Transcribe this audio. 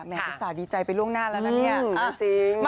อุตส่าห์ดีใจไปล่วงหน้าแล้วนะเนี่ย